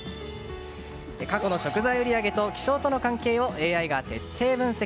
過去の食材売り上げと気象との関係をＡＩが徹底分析。